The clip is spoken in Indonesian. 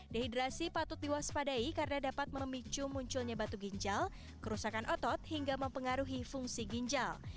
dehidrasi patut diwaspadai karena dapat memicu munculnya batu ginjal kerusakan otot hingga mempengaruhi fungsi ginjal